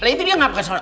itu dia ngapain